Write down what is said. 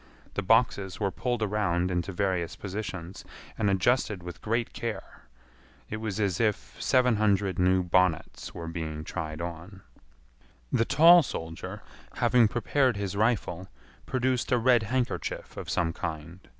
The boxes were pulled around into various positions, and adjusted with great care. It was as if seven hundred new bonnets were being tried on. The tall soldier, having prepared his rifle, produced a red handkerchief of some kind.